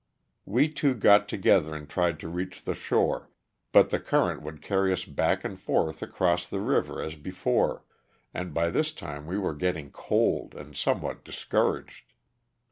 We two got together and tried to reach the shore, but the current would carry us back and forth across the river as before, and by this time we were getting cold and somewhat discouraged.